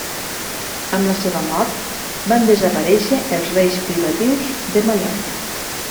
Amb la seva mort van desaparèixer els reis privatius de Mallorca.